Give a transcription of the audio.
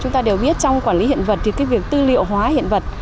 chúng ta đều biết trong quản lý hiện vật thì cái việc tư liệu hóa hiện vật